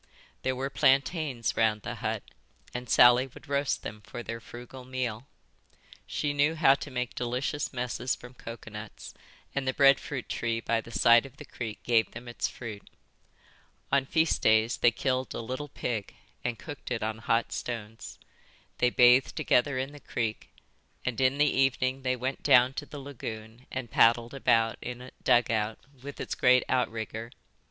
There were plantains round the hut and Sally would roast them for their frugal meal. She knew how to make delicious messes from coconuts, and the bread fruit tree by the side of the creek gave them its fruit. On feast days they killed a little pig and cooked it on hot stones. They bathed together in the creek; and in the evening they went down to the lagoon and paddled about in a dugout, with its great outrigger.